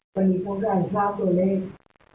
กะนิทุกคนจะบริษัทตัวเลข